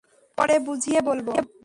পরে বুঝিয়ে বলব।